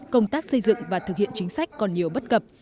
công tác xây dựng và thực hiện chính sách còn nhiều bất cập